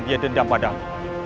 dia dendam padamu